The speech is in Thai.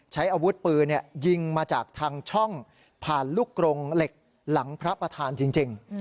ใช้อาวุธปืนยิงมาจากทางช่องผ่านลูกกรงเหล็กหลังพระประธานจริง